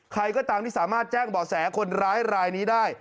ใครก็ตามที่สามารถแจ้งบ่อแสคนร้ายรายนี้ได้